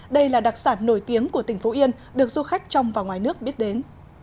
đây là đặc sản nổi tiếng của tỉnh phú yên được du khách trong và ngoài nước biết đến